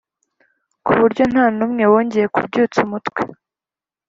Ku buryo nta n’umwe wongeye kubyutsa umutwe.